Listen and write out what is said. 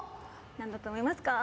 何だと思いますか？